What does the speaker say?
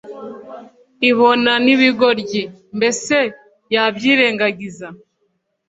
ibona n’ibigoryi, mbese yabyirengagiza’